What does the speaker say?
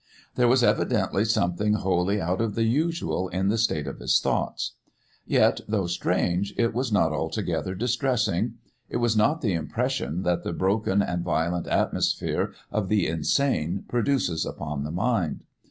There was evidently something wholly out of the usual in the state of his thoughts. Yet, though strange, it was not altogether distressing; it was not the impression that the broken and violent atmosphere of the insane produces upon the mind.